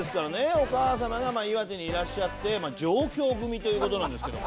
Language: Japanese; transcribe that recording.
お母様が岩手にいらっしゃって上京組という事なんですけども。